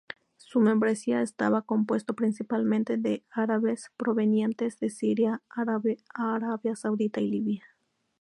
Su membresía estaba compuesto principalmente de árabes provenientes de Siria, Arabia Saudita y Libia.